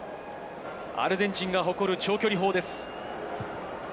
アルゼンチンが誇る長距離砲です。